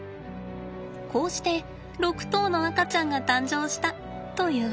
こうして６頭の赤ちゃんが誕生したというわけです。